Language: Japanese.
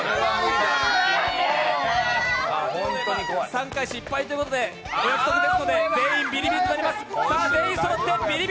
３回失敗ということでお約束ですので全員ビリビリとなります。